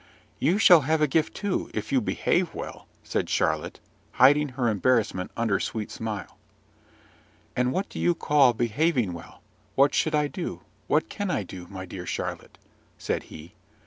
"You shall have a gift too, if you behave well," said Charlotte, hiding her embarrassment under sweet smile. "And what do you call behaving well? What should I do, what can I do, my dear Charlotte?" said he.